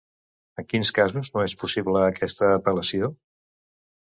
En quins casos no és possible aquesta apel·lació?